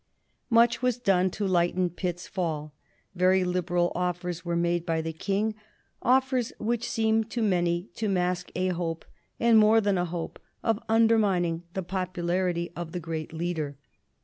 Much was done to lighten Pitt's fall. Very liberal offers were made by the King, offers which seemed to many to mask a hope, and more than a hope, of undermining the popularity of the great leader.